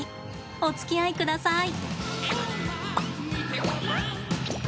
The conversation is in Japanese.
おつきあいください。